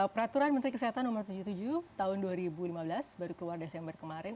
peraturan menteri kesehatan no tujuh puluh tujuh tahun dua ribu lima belas baru keluar desember kemarin